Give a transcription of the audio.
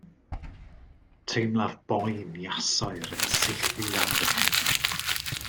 Teimlaf boen iasoer yn saethu lan fy nghefn